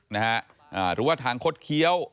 หรือว่าทางคดเคี้ยว